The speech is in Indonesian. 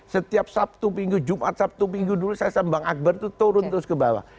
setiap sabtu minggu jumat sabtu minggu dulu saya sambang akbar itu turun terus ke bawah